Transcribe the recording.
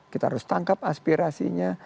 kita harus tangkap aspirasinya